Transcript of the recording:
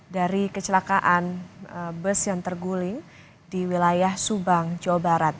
dari kecelakaan bus yang terguling di wilayah subang jawa barat